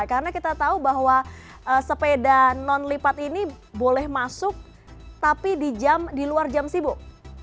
karena kita tahu bahwa sepeda non lipat ini boleh masuk tapi di luar jam sibuk